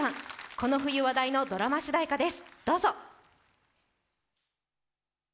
この冬話題のドラマ主題歌です。